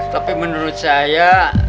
tapi menurut saya